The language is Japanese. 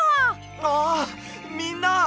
ああっみんな！